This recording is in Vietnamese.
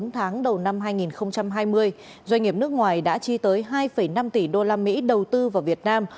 bốn tháng đầu năm hai nghìn hai mươi doanh nghiệp nước ngoài đã chi tới hai năm tỷ usd đầu tư vào việt nam